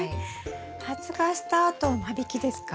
発芽したあと間引きですか？